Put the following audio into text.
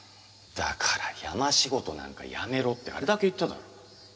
だから山仕事なんか辞めろってあれだけ言っただろ。